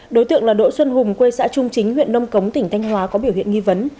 đối tượng là đỗ xuân hùng quê xã trung chính huyện nông cống tỉnh thanh hóa có biểu hiện nghi vấn